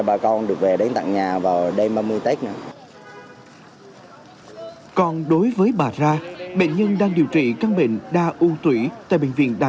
mà hôm cô đi về xe là xe đưa đó